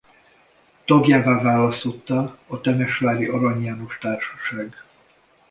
Tagjává választotta a temesvári Arany János Társaság.